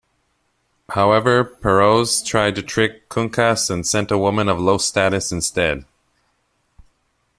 However, Peroz tried to trick Kunkhas, and sent a woman of low status instead.